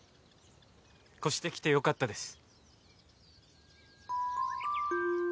越してきてよかったです。